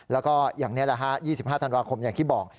แล้วก็อย่างนี้แหละฮะ๒๕ธันวาคมอย่างที่บอก